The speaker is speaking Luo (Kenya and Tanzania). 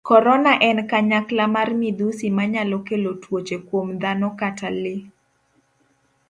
Korona en kanyakla mar midhusi manyalo kelo tuoche kuom dhano kata lee.